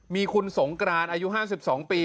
มีคุณสงกรานอายุ๕๒ปี